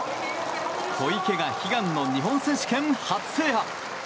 小池が悲願の日本選手権初制覇。